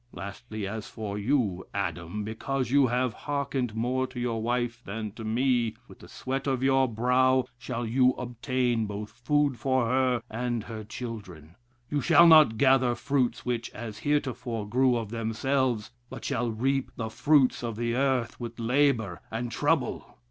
Lastly, as for you, Adam, because you have hearkened more to your wife than to me, with the sweat of your brow shall you obtain both food for her and her children. You shall not gather fruits which, as heretofore, grew of themselves, but shall reap the fruits of the earth with labor and trouble.